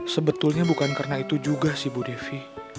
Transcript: sebetulnya bukan karena itu juga sih bu devi